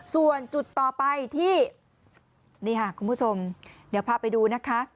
ส่วนจุดต่อไปที่นี่ค่ะคุณผู้ชมเดี๋ยวพาไปดูนะคะ